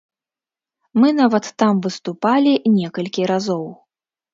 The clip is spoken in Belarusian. Мы нават там выступалі некалькі разоў.